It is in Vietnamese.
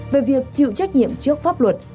về việc chịu trách nhiệm trước pháp luật